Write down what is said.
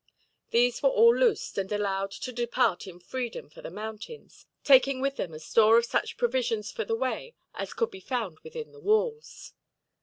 These were all loosed, and allowed to depart in freedom for the mountains, taking with them a store of such provisions for the way as could be found within the walls.